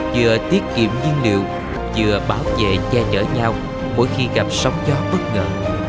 giờ tiết kiệm viên liệu giữa bảo vệ che chở nhau mỗi khi gặp sóng gió bất ngờ